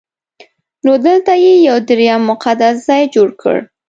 نو دلته یې یو درېیم مقدس ځای جوړ کړ.